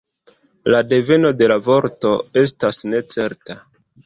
La deveno de la vorto estas necerta.